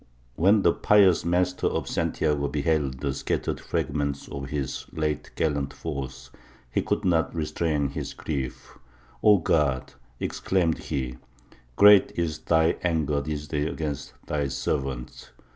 When the pious Master of Santiago beheld the scattered fragments of his late gallant force he could not restrain his grief, 'O God!' exclaimed he, 'great is Thy anger this day against Thy servants!